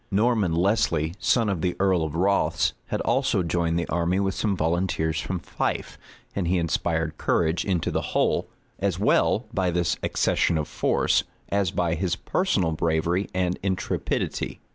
Norman Lesly, son of the earl of Rothes, had also joined the army with some volunteers from Fife; and he inspired courage into the whole, as well by this accession of force, as by his personal bravery and intrepidity.